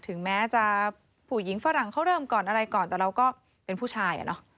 ถึงแม้ผู้หญิงฝรั่งเข้าเริ่มก่อนแต่เราก็เป็นผู้ชาย